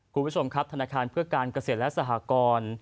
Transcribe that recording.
คุณผู้ชมครับธนาคารเพื่อการเกษตรและสหกร